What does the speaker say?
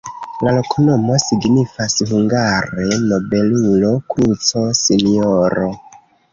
La loknomo signifas hungare: nobelulo-kruco-sinjoro.